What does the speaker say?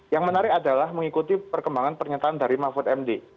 yang menarik adalah mengikuti perkembangan pernyataan dari mahfud md